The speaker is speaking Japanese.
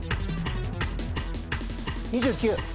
２９。